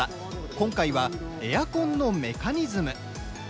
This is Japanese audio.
今回は「エアコンのメカニズム」。